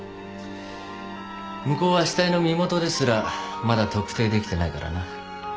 向こうは死体の身元ですらまだ特定できてないからな。